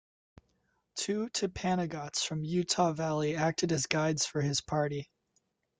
Two Timpanogots from Utah Valley acted as guides for his party.